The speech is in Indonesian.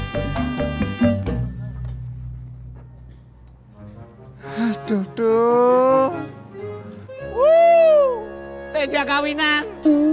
jadi siapa tuh yang nonton